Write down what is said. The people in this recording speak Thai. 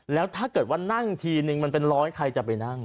แล้วถ้าเกิดว่านั่งทีนึงมันเป็นร้อยใครจะไปนั่ง